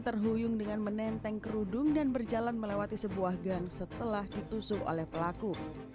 terhuyung dengan menenteng kerudung dan berjalan melewati sebuah gang setelah ditusuh oleh pelaku